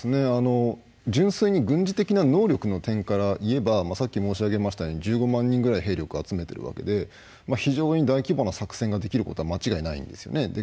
純粋に軍事的な能力の点からいえばさっき申し上げましたように１５万人ぐらい兵力を集めているわけで非常に大規模な作戦ができることは間違いないんですね。